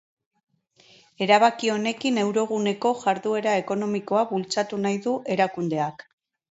Erabaki honekin euroguneko jarduera ekonomikoa bultzatu nahi du erakundeak.